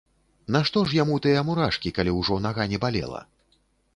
Нашто ж яму тыя мурашкі, калі ўжо нага не балела.